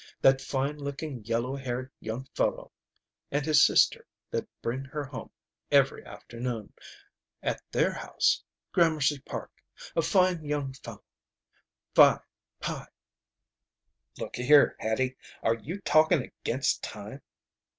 That fine looking yellow haired young fellow and his sister that bring her home every afternoon. At their house. Gramercy Park. A fine young fellow Phi Pi " "Looka here, Hattie, are you talking against time?"